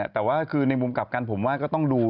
แต่ว่าคือในมุมกลับกันผมว่าก็ต้องดู